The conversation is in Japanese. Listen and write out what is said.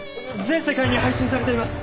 全世界に配信されています。